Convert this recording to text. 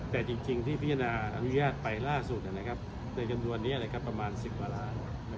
แต่จริงที่พิจารณาอนุญาตไปล่าสุดในจำนวนนี้ประมาณ๑๐กว่าล้าน